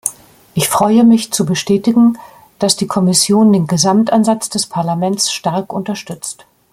Ich freue mich zu bestätigen, dass die Kommission den Gesamtansatz des Parlaments stark unterstützt.